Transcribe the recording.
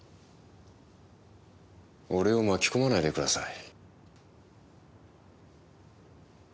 俺を巻き込まないでください。